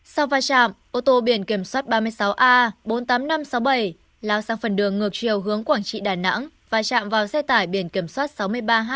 sau vai trạm ô tô biển kiểm soát ba mươi sáu a bốn mươi tám nghìn năm trăm sáu mươi bảy lao sang phần đường ngược chiều hướng quảng trị đà nẵng vai trạm vào xe tải biển kiểm soát sáu mươi ba h năm trăm sáu mươi tám